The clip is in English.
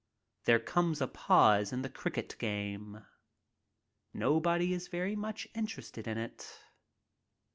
There comes a pause in the cricket game. Nobody is very much interested in it.